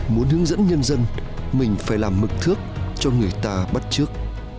muốn hướng dẫn nhân dân mình phải làm mực thước cho người ta bắt trước